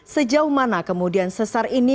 sejauh mana kemudian sesar ini